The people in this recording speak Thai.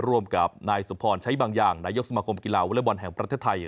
ร่วมกับนายสมพรใช้บางอย่างนายกสมาคมกีฬาวอเล็กบอลแห่งประเทศไทย